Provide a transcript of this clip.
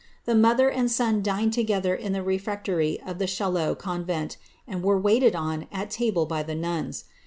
The mother and son dined together in the refectory of the Chaillot convent, and were waited on at table by the nuns.